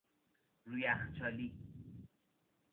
رو یخچالی